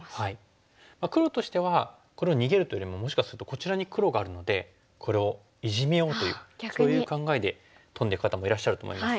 黒としてはこれを逃げるというよりももしかするとこちらに黒があるのでこれをイジメようというそういう考えでトンでいく方もいらっしゃると思います。